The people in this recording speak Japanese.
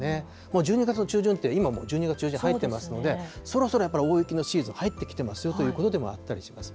１２月の中旬って、今もう１２月中旬に入ってますので、そろそろやっぱり、大雪のシーズン入ってきてますよということでもあったりします。